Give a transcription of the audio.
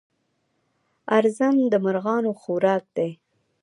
ارزن د مرغانو خوراک دی.